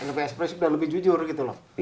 lebih ekspresif dan lebih jujur gitu loh